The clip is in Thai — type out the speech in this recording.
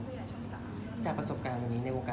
แล้วนิ่งยากของการทำงานเหรอคะ